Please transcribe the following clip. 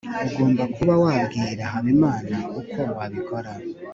ugomba kuba wabwira habimana uko wabikora